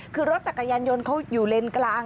คือรถจักรยานยนต์เขาอยู่เลนกลาง